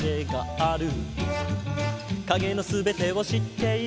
「影の全てを知っている」